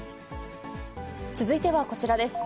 続いてはこちらです。